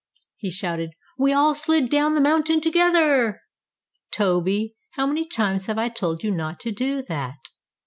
he shouted. "We all slid down the mountain together." "Toby, how many times have I told you not to do that!"